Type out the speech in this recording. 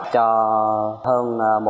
cho hơn một